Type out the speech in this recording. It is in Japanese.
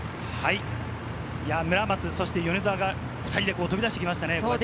村松、そして米澤が２人で飛び出してきましたね。